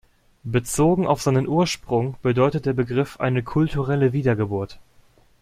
Bezogen auf seinen Ursprung bedeutet der Begriff eine „kulturelle Wiedergeburt“.